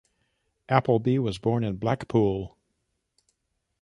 Appleby was born in Blackpool.